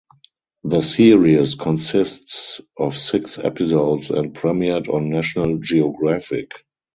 The series consists of six episodes and premiered on National Geographic.